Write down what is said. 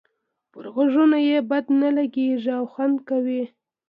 پر غوږونو یې بد نه لګيږي او خوند کوي.